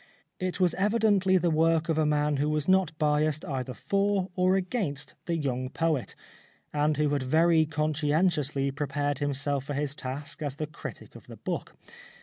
It was evidently the work of a man who was not biassed either for or against the young poet, and who had very conscientiously prepared himself for his task as the critic of the book.